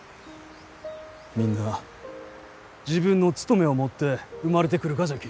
みんな自分の務めを持って生まれてくるがじゃき。